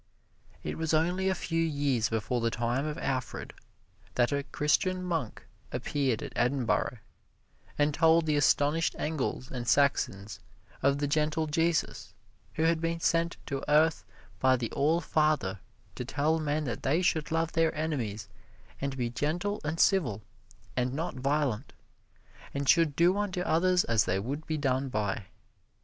It was only a few years before the time of Alfred that a Christian monk appeared at Edin Borough, and told the astonished Engles and Saxons of the gentle Jesus, who had been sent to earth by the All Father to tell men they should love their enemies and be gentle and civil and not violent, and should do unto others as they would be done by.